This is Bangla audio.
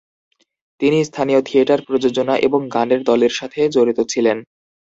তিনি স্থানীয় থিয়েটার প্রযোজনা এবং গানের দলের সাথে জড়িত ছিলেন।